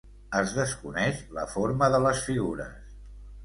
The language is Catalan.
Es desconeix la forma de les figures.